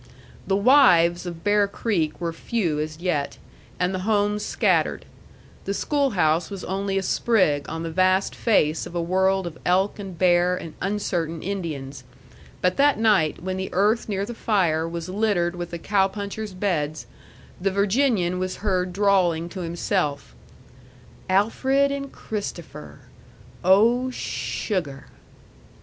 The wives of Bear Creek were few as yet, and the homes scattered; the schoolhouse was only a sprig on the vast face of a world of elk and bear and uncertain Indians; but that night, when the earth near the fire was littered with the cow punchers' beds, the Virginian was heard drawling to himself: "Alfred and Christopher. Oh, sugar!"